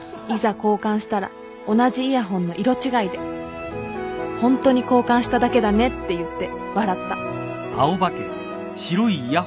交換したら同じイヤホンの色違いでホントに交換しただけだねって言って笑った